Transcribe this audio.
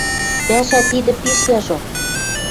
— Пӓшӓ тидӹ пиш яжо.